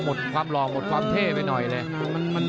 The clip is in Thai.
หมดความหล่อหมดความเท่ไปหน่อยเลย